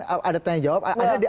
ada tanya jawab